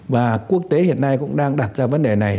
và quốc tế hiện nay cũng đang đặt ra vấn đề này